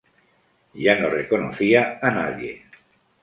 Ya no reconocía a nadie.